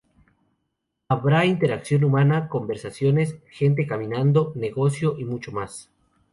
Habrá interacción humana, conversaciones, gente caminando, negocio y mucho más.